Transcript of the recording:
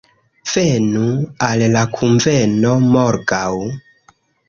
Venu al la kunveno, morgaŭ